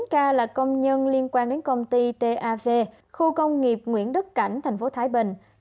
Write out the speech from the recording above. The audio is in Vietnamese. một mươi chín ca là công nhân liên quan đến công ty tav khu công nghiệp nguyễn đức cảnh tp thái bình